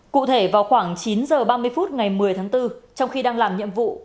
cụ thể vào khoảng chín h ba mươi phút ngày một mươi tháng bốn trong khi đang làm nhiệm vụ